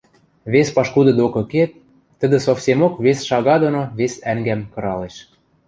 Вес пашкуды докы кет — тӹдӹ совсемок вес шага доно вес ӓнгӓм кыралеш.